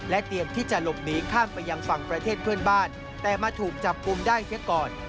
และเตียงที่จะหลบหนีข้างไปยังแฝนไฟพนักบ้านแต่ถูกจับกลุ่มได้เจอก่อน